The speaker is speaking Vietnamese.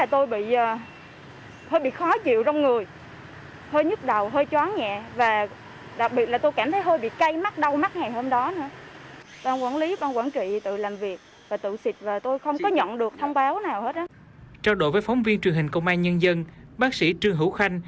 trao đổi với phóng viên truyền hình công an nhân dân bác sĩ trương hữu khanh